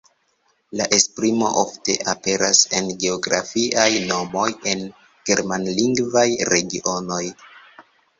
La esprimo ofte aperas en geografiaj nomoj en germanlingvaj regionoj.